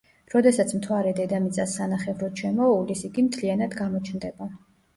როდესაც მთვარე დედამიწას სანახევროდ შემოუვლის, იგი მთლიანად გამოჩნდება.